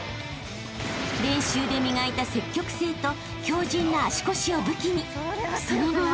［練習で磨いた積極性と強靱な足腰を武器にその後は］